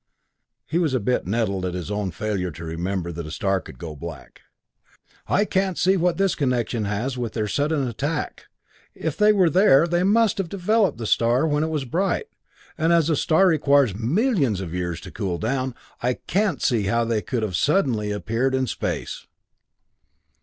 He was a bit nettled by his own failure to remember that a star could go black. "I can't see what connection this has with their sudden attack. If they were there, they must have developed when the star was bright, and as a star requires millions of years to cool down, I can't see how they could suddenly appear in space."